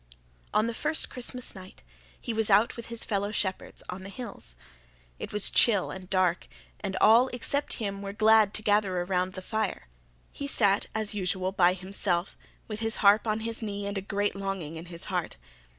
On the first Christmas night he was out with his fellow shepherds on the hills. It was chill and dark, and all, except him, were glad to gather around the fire. He sat, as usual, by himself, with his harp on his knee and a great longing in his heart.